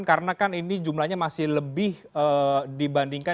karena kan ini jumlahnya masih lebih dibandingkan